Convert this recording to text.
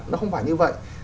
nó không phải như vậy